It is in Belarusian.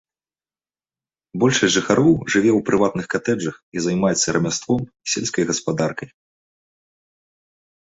Большасць жыхароў жыве ў прыватных катэджах і займаецца рамяством і сельскай гаспадаркай.